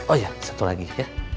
oh ya satu lagi ya